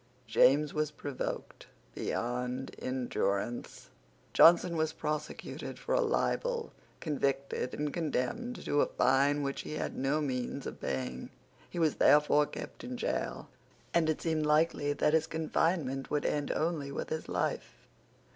James was provoked beyond endurance. Johnson was prosecuted for a libel, convicted, and condemned to a fine which he had no means of paying. He was therefore kept in gaol; and it seemed likely that his confinement would end only with his life.